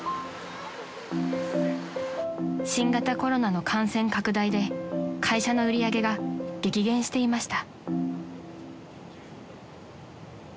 ［新型コロナの感染拡大で会社の売り上げが激減していました］